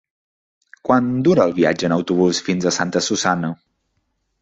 Quant dura el viatge en autobús fins a Santa Susanna?